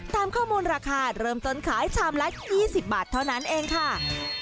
ตามข้อมูลราคาเริ่มต้นขายชามละ๒๐บาทเท่านั้นเองค่ะ